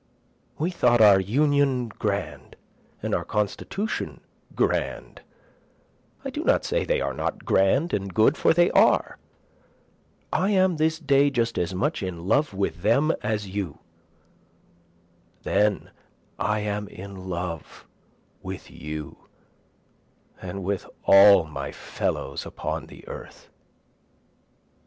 We thought our Union grand, and our Constitution grand, I do not say they are not grand and good, for they are, I am this day just as much in love with them as you, Then I am in love with You, and with all my fellows upon the earth.